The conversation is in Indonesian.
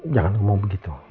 jangan ngomong begitu ya